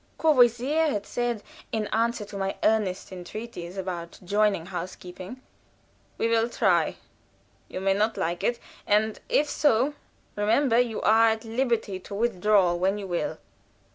Courvoisier had said, in answer to my earnest entreaties about joining housekeeping: "We will try you may not like it, and if so, remember you are at liberty to withdraw when you will."